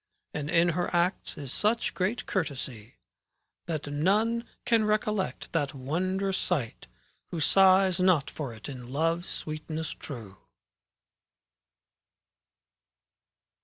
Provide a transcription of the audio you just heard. And in her acts is such great courtesy, That none can recollect that wondrous sight, Who sighs not for it in Love's sweetness true.